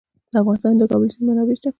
په افغانستان کې د د کابل سیند منابع شته.